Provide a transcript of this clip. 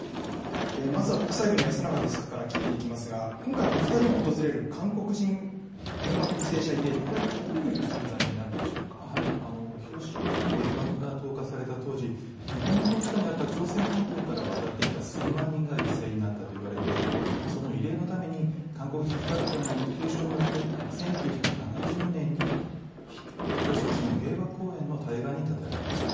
まずは国際部の安永デスクから聞いていきますが、今回、２人が訪れる韓国人原爆犠牲者慰霊碑、これ、どういう存在になるんでしょ広島に原爆が投下された当時、日本の統治下にあった朝鮮半島から渡ってきた数万人が犠牲になったといわれていて、その慰霊のために、韓国人被爆者の提唱によって、１９７０年に広島市の平和公園の対岸に建てられました。